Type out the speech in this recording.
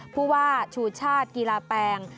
ผู้ว่าชูชาติกีฬาแปง